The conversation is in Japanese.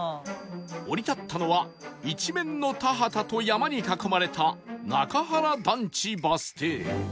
降り立ったのは一面の田畑と山に囲まれた中原団地バス停